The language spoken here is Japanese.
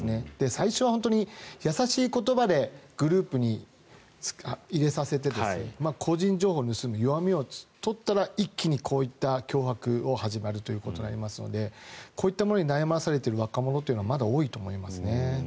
最初は本当に、優しい言葉でグループに入れさせて個人情報を盗む、弱みを取ったら一気にこういった脅迫を始めるということになるのでこういったものに悩まされている若者はまだ多いと思いますね。